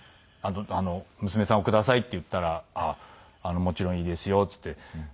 「娘さんをください」って言ったら「もちろんいいですよ」っつって。